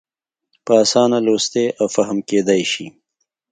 په اسانه لوستی او فهم کېدای شي.